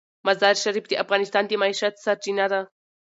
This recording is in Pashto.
مزارشریف د افغانانو د معیشت سرچینه ده.